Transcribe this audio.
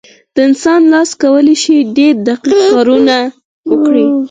د انسان لاس کولی شي ډېر دقیق کارونه وکړي.